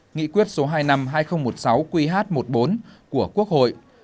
nghị quyết số hai năm hai nghìn một mươi sáu qh một mươi bốn của quốc hội